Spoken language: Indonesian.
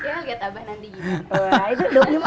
ya liat abah nanti gini